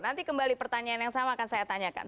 nanti kembali pertanyaan yang sama akan saya tanyakan